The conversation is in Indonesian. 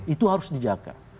itu harus dijaga